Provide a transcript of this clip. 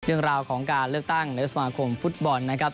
เรื่องราวของการเลือกตั้งในสมาคมฟุตบอลนะครับ